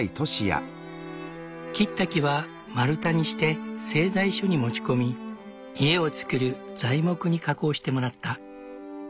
切った木は丸太にして製材所に持ち込み家をつくる材木に加工してもらった。